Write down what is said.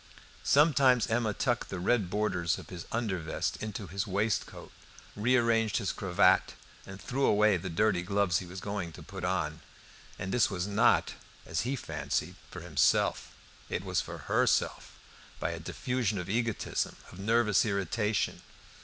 Sometimes Emma tucked the red borders of his under vest unto his waistcoat, rearranged his cravat, and threw away the dirty gloves he was going to put on; and this was not, as he fancied, for himself; it was for herself, by a diffusion of egotism, of nervous irritation.